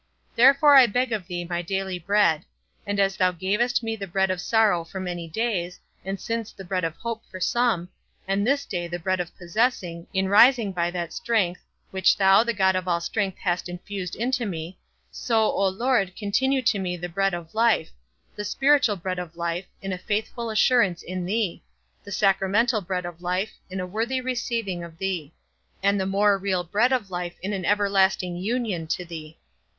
Therefore I beg of thee my daily bread; and as thou gavest me the bread of sorrow for many days, and since the bread of hope for some, and this day the bread of possessing, in rising by that strength, which thou the God of all strength hast infused into me, so, O Lord, continue to me the bread of life: the spiritual bread of life, in a faithful assurance in thee; the sacramental bread of life, in a worthy receiving of thee; and the more real bread of life in an everlasting union to thee.